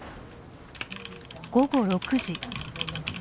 午後６時。